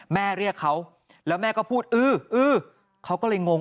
แม่เรียกเขาแล้วแม่ก็พูดอื้อเขาก็เลยงง